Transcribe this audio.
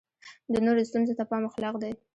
د نورو ستونزو ته پام اخلاق دی.